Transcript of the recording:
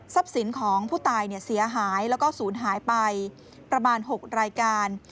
สินของผู้ตายเสียหายแล้วก็ศูนย์หายไปประมาณ๖รายการ